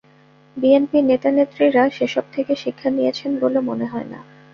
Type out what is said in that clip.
BNP নেতা নেত্রীরা সেসব থেকে শিক্ষা নিয়েছেন বলে মনে হয় না।